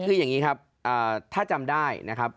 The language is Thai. คืออย่างนี้ครับถ้าจำได้นะครับ